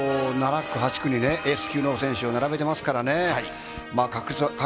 ７区、８区にエース級の選手を並べていますからね。